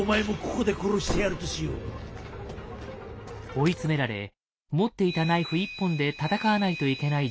追い詰められ持っていたナイフ１本で戦わないといけない状況に。